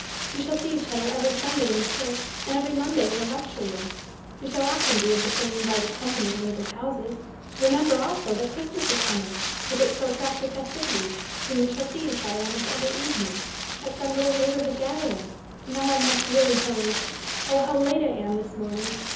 We shall see each other every Sunday in the church, and every Monday in the lecture room. We shall often be of the same invited company at neighbors' houses. Remember, also, that Christmas is coming, with its protracted festivities, when we shall see each other almost every evening, at some little neighborhood gathering. And now I must really hurry; oh! how late I am this morning!